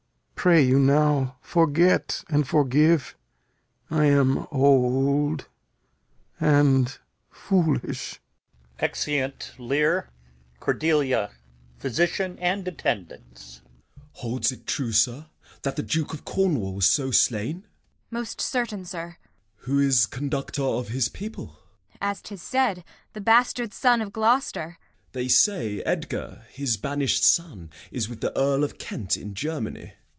Pray you now, forget and forgive. I am old and foolish. Exeunt. Manent Kent and Gentleman. Gent. Holds it true, sir, that the Duke of Cornwall was so slain? Kent. Most certain, sir. Gent. Who is conductor of his people? Kent. As 'tis said, the bastard son of Gloucester. Gent. They say Edgar, his banish'd son, is with the Earl of Kent in Germany.